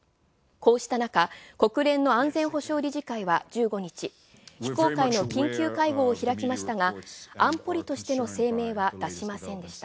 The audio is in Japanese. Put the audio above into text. こうしたなか、国連の安全保障理事会は１５日、非公開の緊急会合を開きましたが、安保理としての声明は出しませんでした。